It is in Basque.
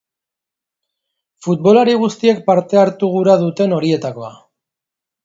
Futbolari guztiek parte hartu gura duten horietakoa.